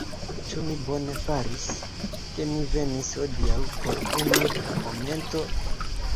Ĉu mi bone faris, ke mi venis, hodiaŭ por unu momento?